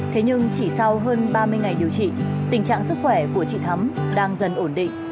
thế nhưng chỉ sau hơn ba mươi ngày điều trị tình trạng sức khỏe của chị thắm đang dần ổn định